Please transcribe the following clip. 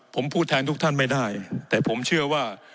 ผมพูดแทนทุกท่านไม่ได้แต่ผมเชื่อว่า